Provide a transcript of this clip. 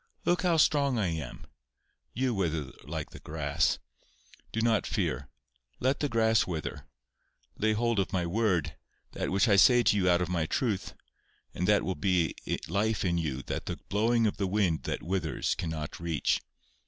Look how strong I am. You wither like the grass. Do not fear. Let the grass wither. Lay hold of my word, that which I say to you out of my truth, and that will be life in you that the blowing of the wind that withers cannot reach.